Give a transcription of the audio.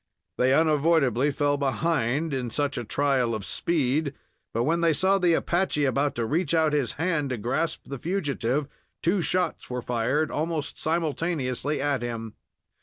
They unavoidably fell behind in such a trial of speed, but when they saw the Apache about to reach out his hand to grasp the fugitive, two shots were fired almost simultaneously at him.